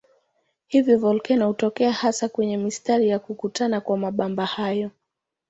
Hivyo volkeno hutokea hasa kwenye mistari ya kukutana kwa mabamba hayo.